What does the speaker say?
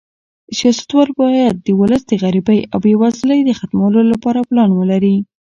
سیاستوال باید د ولس د غریبۍ او بې وزلۍ د ختمولو لپاره پلان ولري.